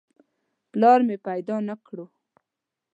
پلار مې پیدا نه کړ.